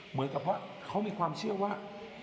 เหมือนกับว่าเขามีความเชื่อว่า